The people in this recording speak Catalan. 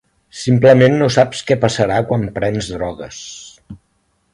Simplement no saps què passarà quan prens drogues.